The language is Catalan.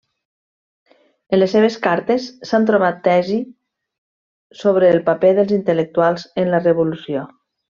En les seves cartes s'han trobat tesi sobre el paper dels intel·lectuals en la revolució.